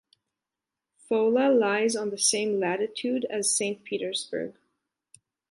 Foula lies on the same latitude as Saint Petersburg.